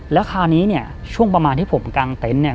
แล้วคราวนี้เนี่ยช่วงประมาณที่ผมกางเต็นต์เนี่ย